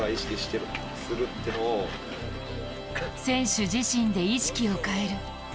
選手自身で意識を変える。